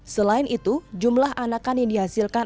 selain itu jumlah anakan yang dihasilkan